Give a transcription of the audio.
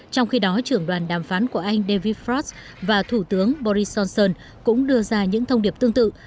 trong khi đó trưởng đoàn đàm phán của anh david frost và thủ tướng boris johnson cũng đưa ra những thông điệp tương tự